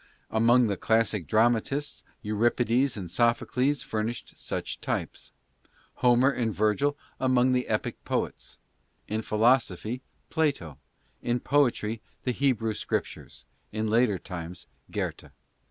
Among the classic dramatists Euripides and Sophocles furnished such types ; Homer and Virgil among the epic poets ; in philosophy, Plato ; in poetry, the Hebrew scriptures : in later times, Goethe.